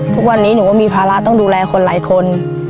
ทุกวันนี้หนูก็มีภาระต้องดูแลคนหลายคน